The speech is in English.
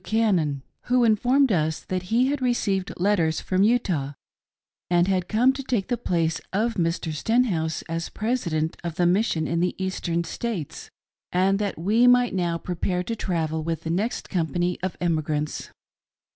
Cannon who informed us that he had received letters from Utah and had come to take the place of Mr. Stenhouse as President of the Mission in the Eastern States, and that we might now prepare to travel with the next company of emigrants.